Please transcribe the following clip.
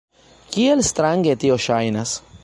Kiel strange tio ŝajnas!